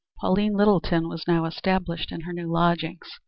Pauline Littleton was now established in her new lodgings.